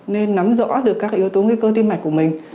nên nắm rõ được các yếu tố nguy cơ tim mạch của mình